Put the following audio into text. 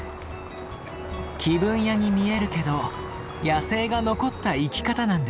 気分屋に見えるけど野生が残った生き方なんですね。